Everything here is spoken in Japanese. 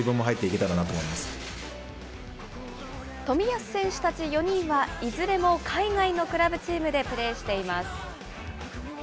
冨安選手たち４人は、いずれも海外のクラブチームでプレーしています。